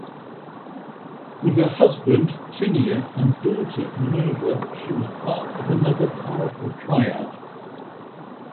With her husband Tinia and daughter Menrva, she was part of another powerful triad.